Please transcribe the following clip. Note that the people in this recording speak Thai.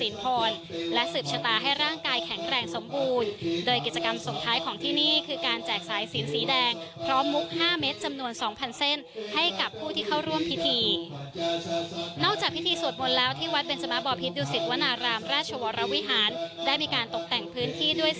เริ่มต้นปีใหม่ด้วยการรับศีลพรและสืบชะตาให้ร่างกายแข็งแรงสมบูรณ์โดยกิจกรรมส่งท้ายของที่นี่คือการแจกสายศีลสีแดงพร้อมมุกห้าเม็ดจำนวนสองพันเส้นให้กับผู้ที่เข้าร่วมพิธีนอกจากพิธีสวดมนต์แล้วที่วัดเป็นสมบอบภิตดิวศิษย์วนารามราชวรวิหารได้มีการตกแต่งพื้นที่ด้วย